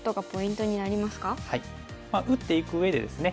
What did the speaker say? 打っていく上でですね